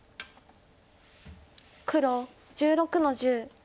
黒１６の十。